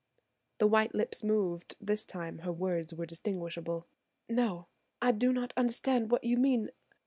The white lips moved: this time her words were distinguishable,–"No! I do not understand what you mean."